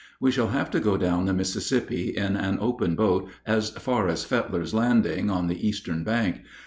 We shall have to go down the Mississippi in an open boat as far as Fetler's Landing (on the eastern bank).